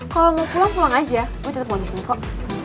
kalo mau pulang pulang aja gue tetep mau disini kok